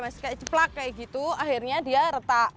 masih kayak jeplak kayak gitu akhirnya dia retak